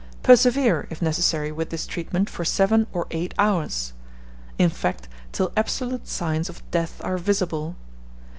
Persevere, if necessary, with this treatment for seven or eight hours in fact, till absolute signs of death are visible.